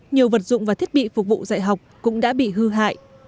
nhiều vật dụng và thiết bị phục vụ dạy học cũng đã bị hư hại